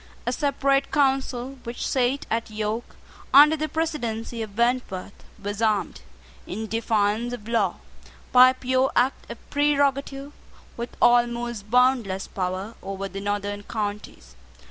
A separate council which sate at York, under the presidency of Wentworth, was armed, in defiance of law, by a pure act of prerogative, with almost boundless power over the northern counties.